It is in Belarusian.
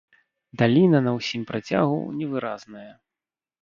Даліна на ўсім працягу невыразная.